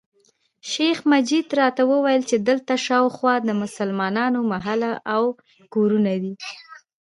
شیخ مجید راته وویل چې دلته شاوخوا د مسلمانانو محله او کورونه دي.